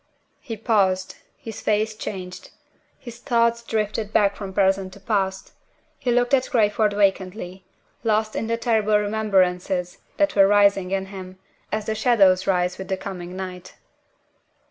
He paused; his face changed; his thoughts drifted back from present to past; he looked at Crayford vacantly, lost in the terrible remembrances that were rising in him, as the shadows rise with the coming night.